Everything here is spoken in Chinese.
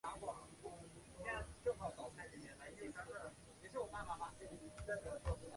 伯牛与冉雍同宗。